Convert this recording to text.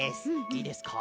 いいですか？